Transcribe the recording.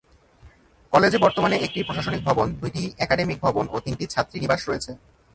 কলেজে বর্তমানে একটি প্রশাসনিক ভবন, দুইটি একাডেমিক ভবন ও তিনটি ছাত্রীনিবাস রয়েছে।